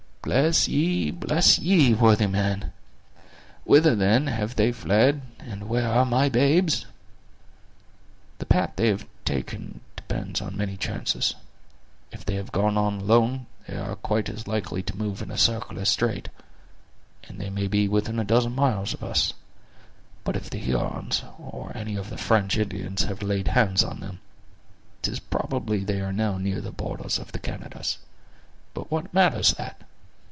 "Bless ye, bless ye, worthy man!" exclaimed Munro; "whither then, have they fled, and where are my babes?" "The path they have taken depends on many chances. If they have gone alone, they are quite as likely to move in a circle as straight, and they may be within a dozen miles of us; but if the Hurons, or any of the French Indians, have laid hands on them, 'tis probably they are now near the borders of the Canadas. But what matters that?"